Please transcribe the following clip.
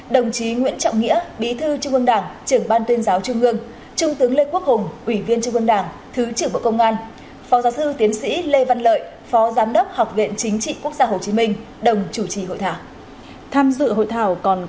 đồng chí nguyễn trọng nghĩa bí thư trung ương đảng trưởng ban tuyên giáo trung ương trung tướng lê quốc hùng ủy viên trung ương đảng thứ trưởng bộ công an phó giáo sư tiến sĩ lê văn lợi phó giám đốc học viện chính trị quốc gia hồ chí minh đồng chủ trì hội thảo